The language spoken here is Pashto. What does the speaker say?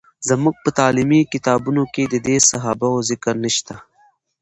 زموږ په تعلیمي کتابونو کې د دې صحابه وو ذکر نشته.